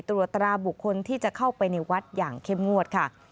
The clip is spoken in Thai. ตรวจตราบุคคลที่จะเข้าไปในวัดอย่างเข้มงวดค่ะ